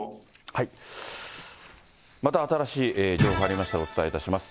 また新しい情報入りましたらお伝えいたします。